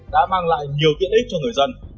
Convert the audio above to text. đã mang lại nhiều tiện ích cho người dân